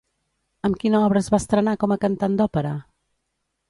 Amb quina obra es va estrenar com a cantant d'òpera?